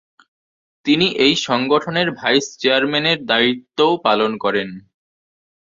তিনি এই সংগঠনের ভাইস চেয়ারম্যানের দায়িত্বও পালন করেন।